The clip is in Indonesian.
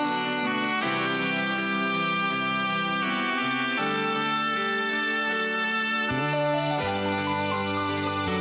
gak bakal jadi satu